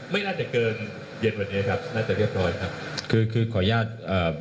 ไม่น่าจะเกินเย็นวันนี้ครับน่าจะเรียบร้อยครับคือคือขออนุญาตเอ่อ